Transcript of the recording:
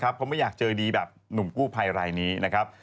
เพราะไม่อยากเจอดีแบบหนุ่มกู้ภัยรายนี้นะครับ